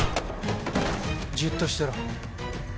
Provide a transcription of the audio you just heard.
じっとしてろ。